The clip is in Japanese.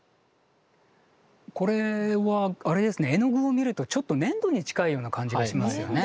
絵の具を見るとちょっと粘土に近いような感じがしますよね。